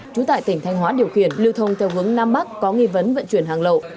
trú tại tỉnh thanh hóa điều khiển lưu thông theo hướng nam bắc có nghi vấn vận chuyển hàng lậu